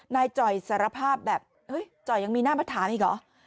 จ่อยสารภาพแบบเฮ้ยจ่อยยังมีหน้ามาถามอีกเหรอ